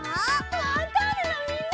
「ファンターネ！」のみんな！